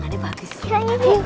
yang tangannya bagus